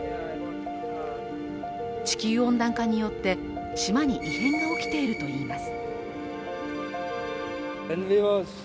地球温暖化によって、島に異変が起きているといいます。